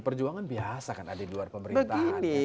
perjuangan biasa kan ada di luar pemerintahan